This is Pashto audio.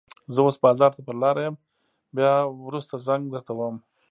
زه اوس بازار ته په لاره يم، بيا وروسته زنګ درته وهم.